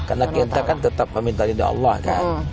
karena kita kan tetap meminta ridha allah kan